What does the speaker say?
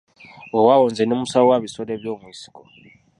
Weewaawo nze ndi musawo wa bisolo eby'omu nsiko.